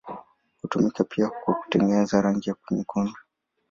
Hutumika pia kwa kutengeneza rangi nyekundu.